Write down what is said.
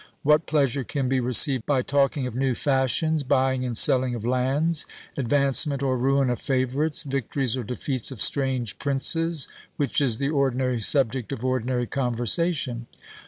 What pleasure can be received by talking of new fashions, buying and selling of lands, advancement or ruin of favourites, victories or defeats of strange princes, which is the ordinary subject of ordinary conversation?